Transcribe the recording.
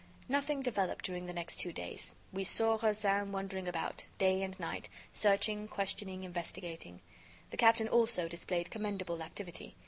Nothing developed during the next two days. We saw Rozaine wandering about, day and night, searching, questioning, investigating. The captain, also, displayed commendable activity.